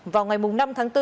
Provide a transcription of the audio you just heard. vào ngày năm tháng bốn